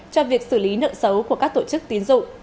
cho việc xử lý nợ xấu của các tổ chức tín dụng